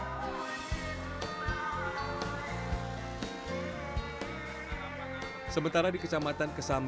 anjar mencari tempat untuk mencari tempat untuk mencari tempat untuk mencari tempat